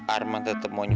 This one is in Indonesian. arman tetep mau nyobain aku